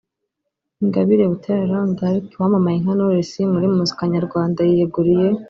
Ingabire Butera Jean d’Arc wamamaye nka Knowless muri muzika nyarwanda yiyeguriye